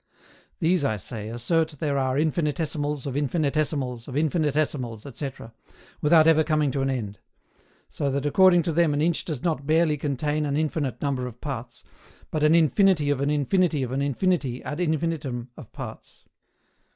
These, I say, assert there are infinitesimals of infinitesimals of infinitesimals, &c., without ever coming to an end; so that according to them an inch does not barely contain an infinite number of parts, but an infinity of an infinity of an infinity ad infinitum of parts.